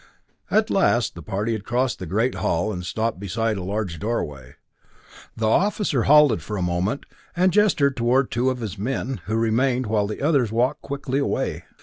At last the party had crossed the great hall, and stopped beside a large doorway. The officer halted for a moment, and gestured toward two of his men, who remained, while the others walked quickly away.